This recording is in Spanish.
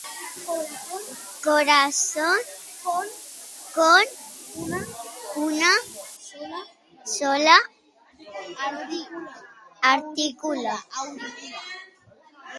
Corazón con una sola aurícula.